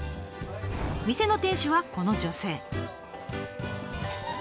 店の店主はこの女性。